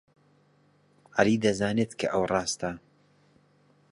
عەلی دەزانێت کە ئەو ڕاستە.